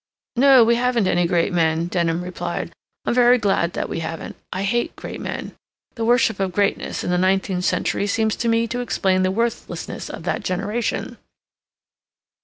"No, we haven't any great men," Denham replied. "I'm very glad that we haven't. I hate great men. The worship of greatness in the nineteenth century seems to me to explain the worthlessness of that generation."